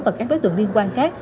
và các đối tượng liên quan khác